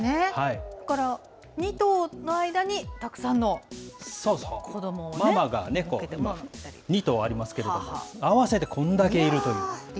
ここから２頭の間にたくさんの子そうそう、ママが２頭ありますけど、合わせてこんだけいるという。